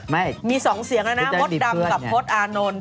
ไม่มีสองเสียงนะนะโฟดดำกับโฟดอานนท์